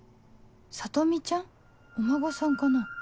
里美ちゃん？お孫さんかな